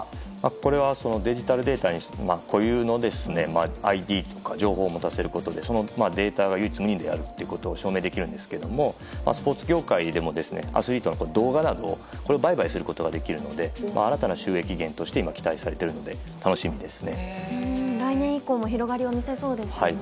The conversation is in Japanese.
これはデジタルデータに固有のＩＤとか情報を持たせることでそのデータが唯一無二であることを証明できるんですがスポーツ業界でもアスリートの動画などを売買することができるので新たな収益源として期待されているので来年以降も広がりを見せそうですね。